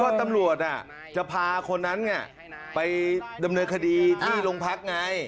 ตำรวจจะพาคนนั้นไปดำเนินคดีที่โรงพักไง